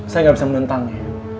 saya gak bisa menentangnya